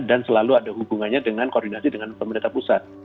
dan selalu ada hubungannya dengan koordinasi dengan pemerintah pusat